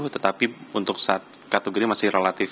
tetapi untuk kategori masih relatif